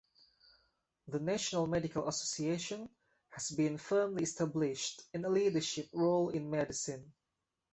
The National Medical Association has been firmly established in a leadership role in medicine.